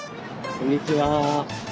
こんにちは。